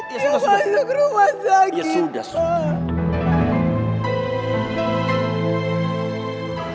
ya sudah sudah